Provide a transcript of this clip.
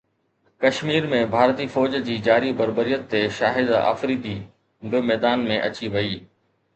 ڪشمير ۾ ڀارتي فوج جي جاري بربريت تي شاهده فريدي به ميدان ۾ اچي وئي